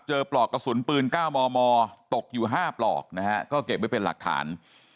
ปลอกกระสุนปืน๙มมตกอยู่๕ปลอกนะฮะก็เก็บไว้เป็นหลักฐาน